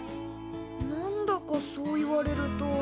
何だかそう言われると。